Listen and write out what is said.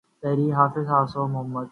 تحریر :حافظ صفوان محمد